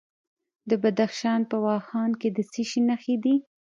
د بدخشان په واخان کې د څه شي نښې دي؟